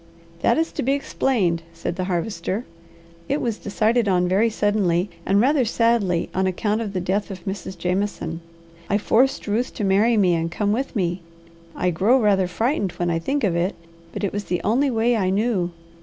"That is to be explained," said the Harvester. "It was decided on very suddenly, and rather sadly, on account of the death of Mrs. Jameson. I forced Ruth to marry me and come with me. I grow rather frightened when I think of it, but it was the only way I knew.